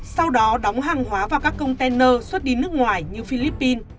sau đó đóng hàng hóa vào các container xuất đi nước ngoài như philippines